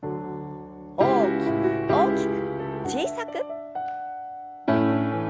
大きく大きく小さく。